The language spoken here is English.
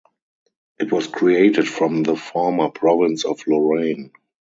It was created from the former province of Lorraine.